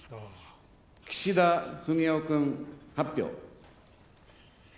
岸田文雄君、８票。